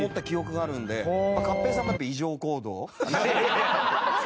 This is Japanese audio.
まあ勝平さんもやっぱ異常行動。